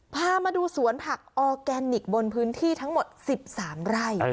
พามาดูสวนผักออร์แกนิคบนพื้นที่ทั้งหมด๑๓ไร่